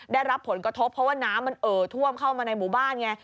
ได้รับผลกระทบเพราะว่าน้ำมันเอ่อท่วมเข้ามาในหมู่บ้านไง